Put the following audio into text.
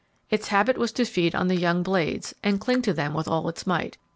Its habit was to feed on the young blades, and cling to them with all its might.